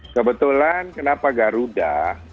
kebetulan kenapa garuda